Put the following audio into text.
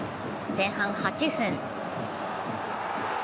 前半８分。